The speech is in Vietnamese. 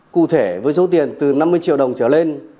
cụ thể với số tiền từ năm mươi triệu đồng trở lên